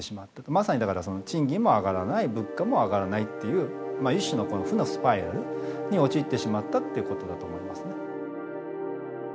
まさに賃金も上がらない物価も上がらないっていう一種のこの負のスパイラルに陥ってしまったってことだと思いますね。